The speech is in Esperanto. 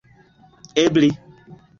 ebli